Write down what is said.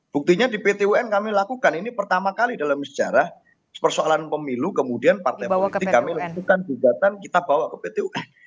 buktinya di pt un kami lakukan ini pertama kali dalam sejarah persoalan pemilu kemudian partai politik kami lakukan gugatan kita bawa ke pt un